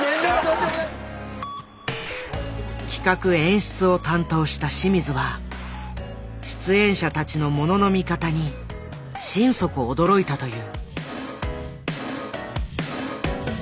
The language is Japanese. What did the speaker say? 企画・演出を担当した清水は出演者たちのものの見方に心底驚いたという。